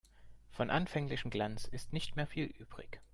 Vom anfänglichen Glanz ist nicht mehr viel übrig.